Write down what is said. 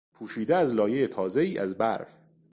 پوشیده از لایهی تازهای از برف